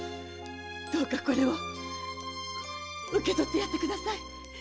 どうかこれを受け取ってやってください！